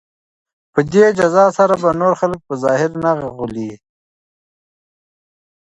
په دې جزا سره به نور خلک په ظاهر نه غولیږي.